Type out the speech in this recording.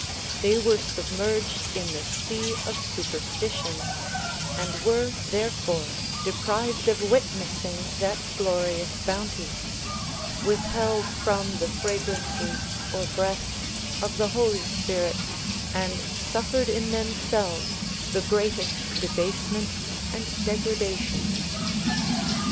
They were submerged in the sea of supersititions and were therefore deprived of witnessing that glorious bounty; withheld from the fragrances or breaths of the Holy Spirit and suffered in themselves the greatest debasement and degradation.